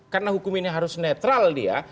karena hukum ini harus netral dia